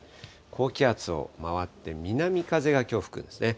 高気圧を回って南風がきょう、吹くんですね。